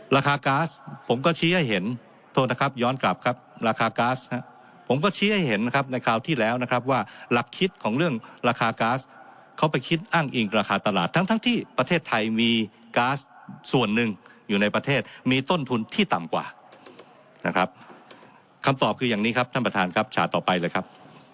ราคาก๊าซผมก็ชี้ให้เห็นโทษนะครับย้อนกลับครับราคาก๊าซผมก็ชี้ให้เห็นนะครับในคราวที่แล้วนะครับว่าหลักคิดของเรื่องราคาก๊าซเขาไปคิดอ้างอิงราคาตลาดทั้งทั้งที่ประเทศไทยมีก๊าซส่วนหนึ่งอยู่ในประเทศมีต้นทุนที่ต่ำกว่านะครับคำตอบคืออย่างนี้ครับท่านประธานครับฉาดต่อไปเลยครับ